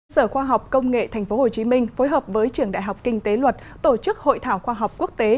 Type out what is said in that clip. sở khoa học công nghệ tp hcm phối hợp với trường đại học kinh tế luật tổ chức hội thảo khoa học quốc tế